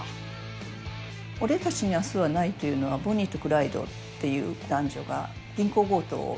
「俺たちに明日はない」というのはボニーとクライドっていう男女が銀行強盗を。